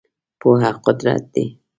پوهه قدرت دی .